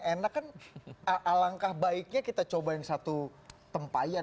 enak kan alangkah baiknya kita coba yang satu tempayan